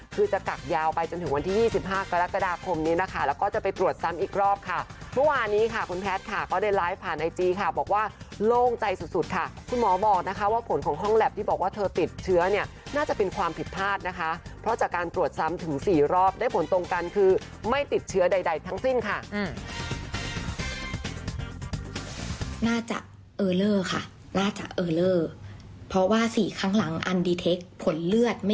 สุดค่ะคุณหมอบอกนะคะว่าผลของห้องแลปที่บอกว่าเธอติดเชื้อเนี่ยน่าจะเป็นความผิดพลาดนะคะเพราะจะการตรวจซ้ำถึงสี่รอบได้ผลตรงกันคือไม่ติดเชื้อใดทั้งสิ้นค่ะอืม